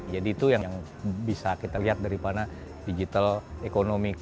jadi itu yang bisa kita lihat daripada digital economy